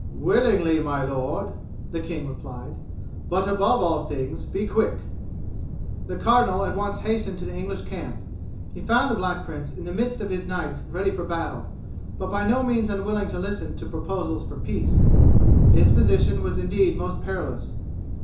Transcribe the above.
"Willingly, my lord," the king replied; "but above all things be quick." The cardinal at once hastened to the English camp; he found the Black Prince in the midst of his knights ready for battle, but by no means unwilling to listen to proposals for peace. His position was indeed most perilous.